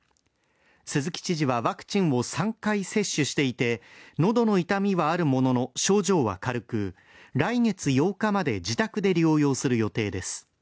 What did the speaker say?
鈴木知事は、ワクチンを３回接種していて、喉の痛みはあるものの、症状は軽く来月８日まで自宅で療養する予定です。